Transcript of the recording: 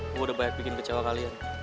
aku udah banyak bikin kecewa kalian